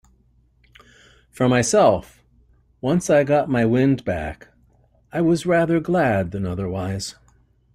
For myself, once I got my wind back, I was rather glad than otherwise.